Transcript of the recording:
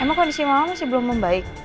emang kondisi mama masih belum membaik